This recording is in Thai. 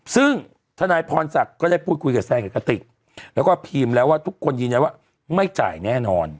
ซึ่งทนายพรศักดิ์ก็ได้พูดคุยกับแซนกับกติกแล้วก็พิมพ์แล้วว่าทุกคนยืนยันว่าไม่จ่ายแน่นอน